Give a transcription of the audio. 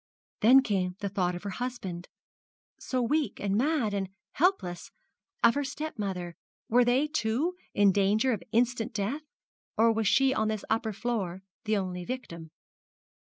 Then came the thought of her husband so weak, and mad, and helpless of her stepmother. Were they, too, in danger of instant death? Or was she on this upper floor the only victim?